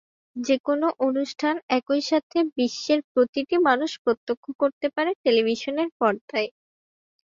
যেকোনো অনুষ্ঠান একই সাথে বিশ্বের প্রতিটি মানুষ প্রত্যক্ষ করতে পারে টেলিভিশনের পর্দায়।